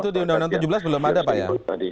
itu di undang undang tujuh belas belum ada pak ya